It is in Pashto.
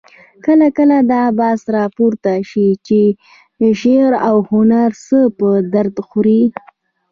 کله کله دا بحث راپورته شي چې شعر او هنر څه په درد خوري؟